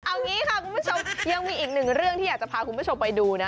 เอางี้ค่ะคุณผู้ชมยังมีอีกหนึ่งเรื่องที่อยากจะพาคุณผู้ชมไปดูนะ